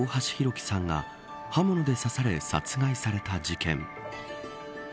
輝さんが刃物で刺され、殺害された事件。